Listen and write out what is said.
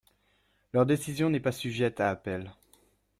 Leur décision n'est pas sujette à appel.